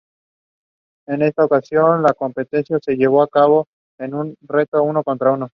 En esta ocasión, la competencia se llevó a cabo con reto uno-contra-uno.